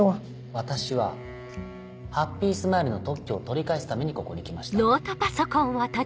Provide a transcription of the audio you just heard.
私はハッピースマイルの特許を取り返すためにここに来ました。